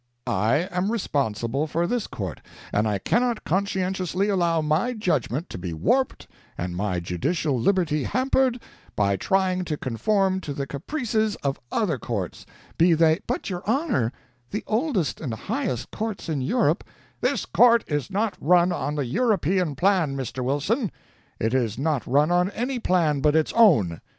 I am responsible for this court, and I cannot conscientiously allow my judgment to be warped and my judicial liberty hampered by trying to conform to the caprices of other courts, be they " "But, your honor, the oldest and highest courts in Europe " "This court is not run on the European plan, Mr. Wilson; it is not run on any plan but its own.